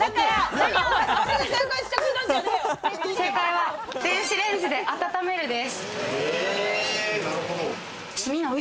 正解は電子レンジで温めるです。